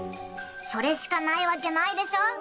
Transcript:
それしかないわけないでしょう！？